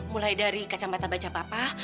mulai dari kacamata baca papa